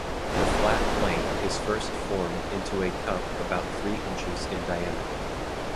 The flat blank is first formed into a cup about three inches in diameter.